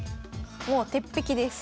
もう鉄壁です。